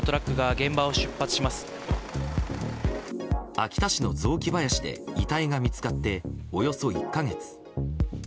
秋田市の雑木林で遺体が見つかって、およそ１か月。